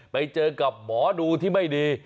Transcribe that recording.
ไปเจอกับหมอดูที่ไม่ดี